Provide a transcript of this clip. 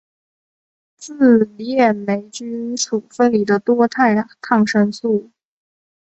自链霉菌属分离的多肽抗生素。